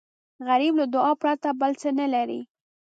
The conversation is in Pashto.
غریب له دعا پرته بل څه نه لري